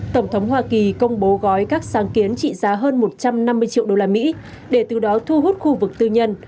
tổng thống hoa kỳ công bố gói các sáng kiến trị giá hơn một trăm năm mươi triệu usd để từ đó thu hút khu vực tư nhân